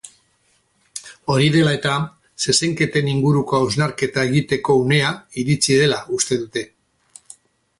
Hori dela eta, zezenketen inguruko hausnarketa egiteko unea iritsi dela uste dute.